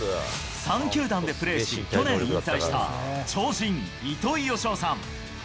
３球団でプレーし、去年引退した、超人・糸井嘉男さん。